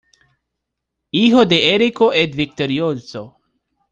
Hijo de Erico el Victorioso.